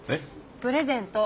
プレゼント！